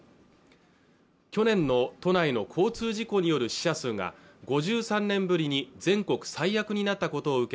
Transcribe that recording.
去年の都内の交通事故による死者数が５３年ぶりに全国最悪になったことを受け